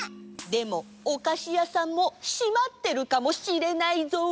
でもおかしやさんもしまってるかもしれないぞ！